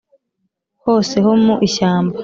hose ho mu ishyamba